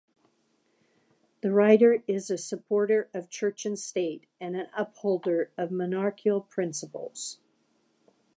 The writer is a supporter of Church and State, an upholder of monarchical principles.